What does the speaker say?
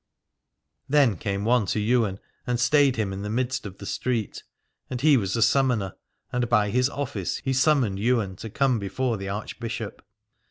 Then came one to Ywain and stayed him in the midst of the street : and he was a Summoner, and by his office he summoned Ywain to come before the Archbishop.